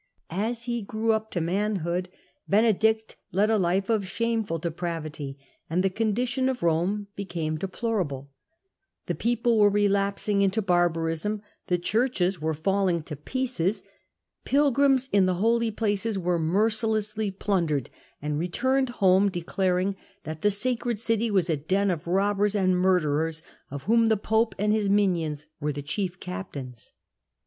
As he grew up to manhood Benedict led a life of shameful depravity, and the condition of Rome became deplorable; the people were relapsing into barbarism, the churches were falling to pieces, pilgrims to the holy places were mercilessly plundered, and returned home declaring that the sacred city was a den of robbers and murderer^ of whom the pope and his minions were the chief captains.